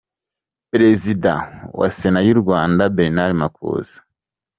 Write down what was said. Perezida wa Sena y’ u Rwanda Bernard Makuza.